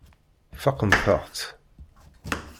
Fakkent-aɣ-tt.